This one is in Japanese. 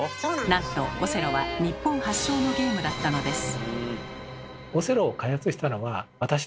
なんとオセロは日本発祥のゲームだったのです。